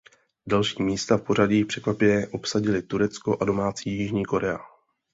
Další místa v pořadí překvapivě obsadili Turecko a domácí Jižní Korea.